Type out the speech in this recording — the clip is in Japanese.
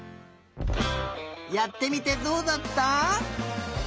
やってみてどうだった？